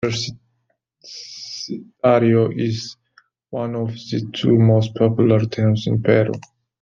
Universitario is one of the two most popular teams in Peru.